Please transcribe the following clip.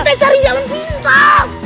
kita cari jalan pintas